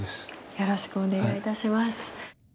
よろしくお願いします。